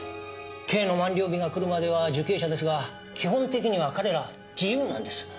刑の満了日が来るまでは受刑者ですが基本的には彼ら自由なんです。